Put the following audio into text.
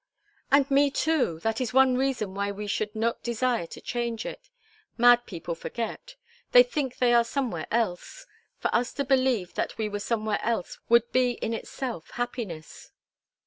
"And me too. That is one reason why we should not desire to change it. Mad people forget. They think they are somewhere else. For us to believe that we were somewhere else would be in itself happiness."